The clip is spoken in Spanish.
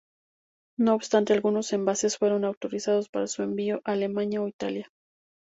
No obstante, algunos envases fueron autorizados para su envío a Alemania o Italia.